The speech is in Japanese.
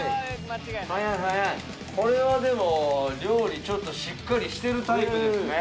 速い速いこれはでも料理ちょっとしっかりしてるタイプですね